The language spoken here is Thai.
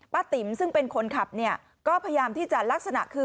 ป้าติ๋มซึ่งเป็นคนขับก็พยามที่จะลักษนะคือ